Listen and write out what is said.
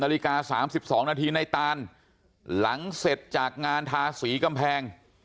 นาฬิกา๓๒นาทีในตานหลังเสร็จจากงานทาสีกำแพง